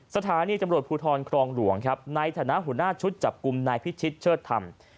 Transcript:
สถานีตำรวจภูทรครองหลวงครับในฐานะหัวหน้าชุดจับกลุ่มนายพิชิตเชิดธรรม